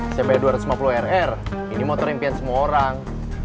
sampai dua ratus lima puluh rr ini motor impian semua orang